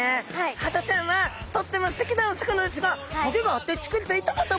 ハタちゃんはとってもすてきなお魚ですが棘があってチクリと痛かった。